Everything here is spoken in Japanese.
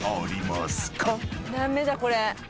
駄目だこれ。